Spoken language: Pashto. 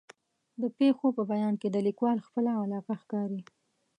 د پېښو په بیان کې د لیکوال خپله علاقه ښکاري.